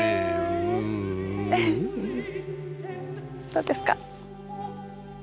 どうですか？